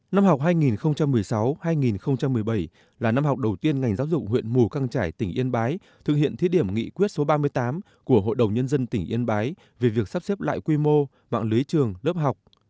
năm học hai nghìn một mươi sáu hai nghìn một mươi bảy là năm học đầu tiên ngành giáo dục huyện mù căng trải tỉnh yên bái thực hiện thí điểm nghị quyết số ba mươi tám của hội đồng nhân dân tỉnh yên bái về việc sắp xếp lại quy mô mạng lưới trường lớp học